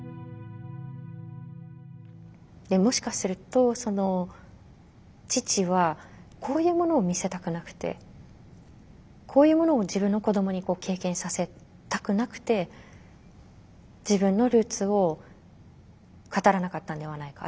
もしかすると父はこういうものを見せたくなくてこういうものを自分の子どもに経験させたくなくて自分のルーツを語らなかったんではないか。